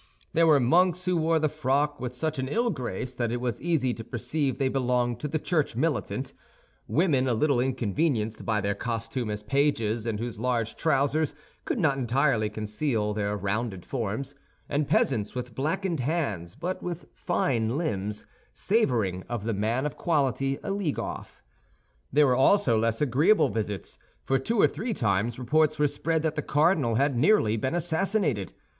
There were monks who wore the frock with such an ill grace that it was easy to perceive they belonged to the church militant; women a little inconvenienced by their costume as pages and whose large trousers could not entirely conceal their rounded forms; and peasants with blackened hands but with fine limbs, savoring of the man of quality a league off. There were also less agreeable visits—for two or three times reports were spread that the cardinal had nearly been assassinated.